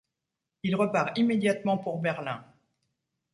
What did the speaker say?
Il repart immédiatement pour Berlin.